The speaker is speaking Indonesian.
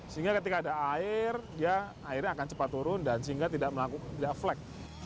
sehingga ketika ada air airnya akan cepat turun dan sehingga tidak melakukan flek